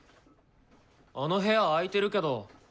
あの部屋開いてるけど。